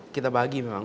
kita bahagi memang